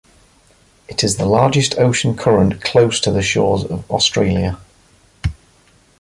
It is the largest ocean current close to the shores of Australia.